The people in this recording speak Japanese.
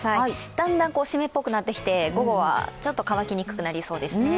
だんだん、湿っぽくなってきて午後はちょっと乾きにくそうですね。